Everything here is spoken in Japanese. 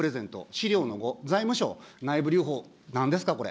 資料の５、財務省、内部留保、なんですか、これ。